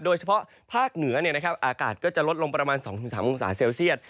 โดยเฉพาะภาคเหนืออากาศก็จะลดลงประมาณ๒๓องศาเซลเซียต